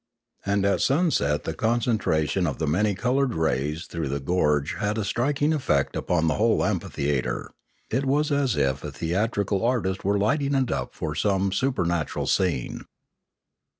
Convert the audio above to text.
And at sunset the concentration of the many coloured rays through the gorge had a Inspiration 421 striking effect upon the whole amphiteatre; it was as if a theatrical artist were lighting it up for some super natural scene.